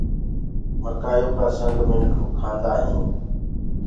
مڪآئيو ڪآ سنگ منک کآندآ هينٚ۔